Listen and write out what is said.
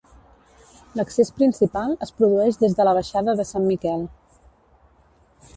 L'accés principal es produeix des de la Baixada de Sant Miquel.